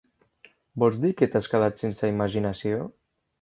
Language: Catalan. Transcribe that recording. Vols dir que t'has quedat sense imaginació?